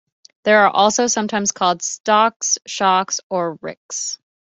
They are also sometimes called stooks, shocks, or ricks.